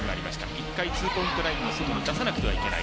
１回、ツーポイントラインの外に出さないといけない。